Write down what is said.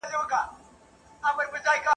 چي نه می نه میخانه وي نه ساقي نه پیمانه وي..